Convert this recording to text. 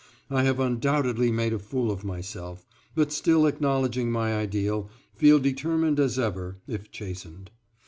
I have undoubtedly made a fool of myself, but still acknowledging my ideal, feel determined as ever, if chastened.